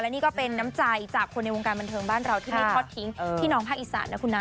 นี่ก็เป็นน้ำใจจากคนในวงการบันเทิงบ้านเราที่ไม่ทอดทิ้งพี่น้องภาคอีสานนะคุณนะ